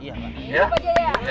ya pak jaya